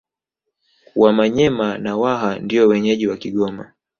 Wamanyema na Waha ndio wenyeji wa Kigoma